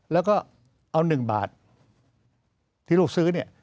แล้วก็เอา๑บาทที่ลูกซื้อ